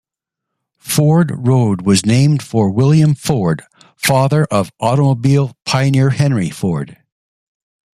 Ford Road was named for William Ford, father of automobile pioneer Henry Ford.